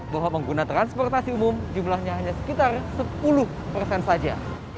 bahwa pengguna transportasi umum jumlahnya hanya sekitar sepuluh persen saja